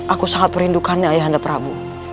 aku sangat perlindungannya ayah anda pramu